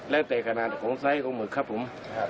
แล้วแต่ขนาดของไซส์ของหมึกครับผม